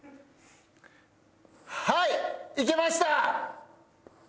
はい！